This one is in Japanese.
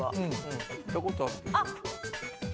行ったことあるでしょ？